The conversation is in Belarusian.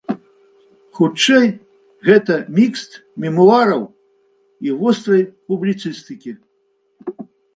Хутчэй, гэта мікст мемуараў і вострай публіцыстыкі.